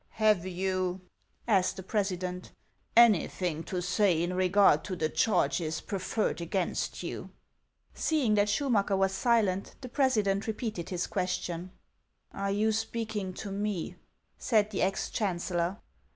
" Have you," asked the president, " anything to say in regard to the charges preferred against you ?" Seeing that Schumacker was silent, the president re peated his question. " Are you speaking to me ?" said the ex chancellor.